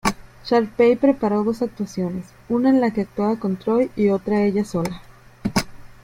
Sharpay preparó dos actuaciones:una en la que actuaba con Troy y otra ella sola.